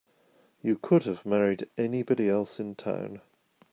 You could have married anybody else in town.